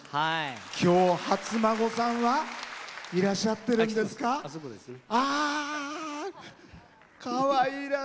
きょう、初孫さんはいらっしゃってるんですか。